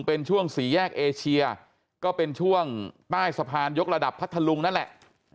เป็นช่วงสี่แยกเอเชียก็เป็นช่วงใต้สะพานยกระดับพัทธลุงนั่นแหละ